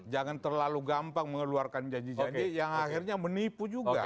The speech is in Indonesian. jangan terlalu gampang mengeluarkan janji janji yang akhirnya menipu juga